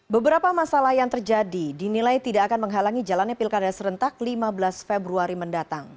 beberapa masalah yang terjadi dinilai tidak akan menghalangi jalannya pilkada serentak lima belas februari mendatang